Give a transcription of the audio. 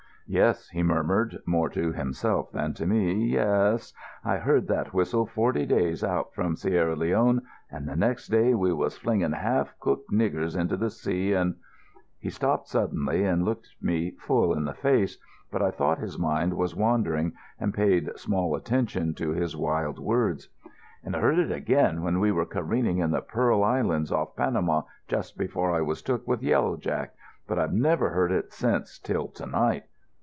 "Yes," he murmured, more to himself than to me, "yes, I heard that whistle forty days out from Sierra Leone, and the next day we was flinging half cooked niggers into the sea and——" He stopped suddenly and looked me full in the face, but I thought his mind was wandering and paid small attention to his wild words. "And I heard it again when we were careening in the Pearl Islands off Panama just before I was took with Yellow Jack, but I've never heard it since till to night.